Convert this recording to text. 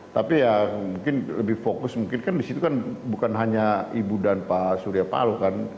tapi ya mungkin lebih fokus mungkin kan disitu kan bukan hanya ibu dan pak surya paloh kan